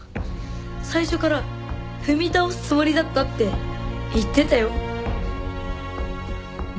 最初から踏み倒すつもりだったって言ってたよ。